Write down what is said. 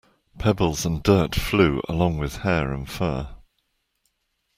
Pebbles and dirt flew along with hair and fur.